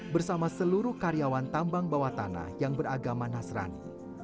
bersama seluruh karyawan tambang bawah tanah yang beragama nasrani